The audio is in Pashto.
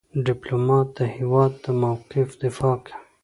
ډيپلومات د هېواد د موقف دفاع کوي.